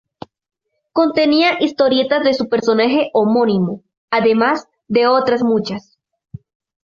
Contenía historietas de su personaje homónimo, además de otras muchas.